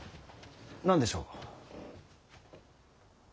何でしょう。